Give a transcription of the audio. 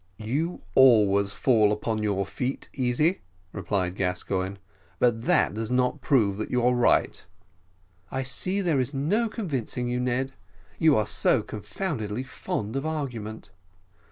"You always fall upon your feet, Easy," replied Gascoigne; "but that does not prove that you are right." "I see there's no convincing you, Ned, you are so confoundedly fond of argument.